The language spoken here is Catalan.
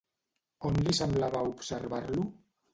On li semblava observar-lo?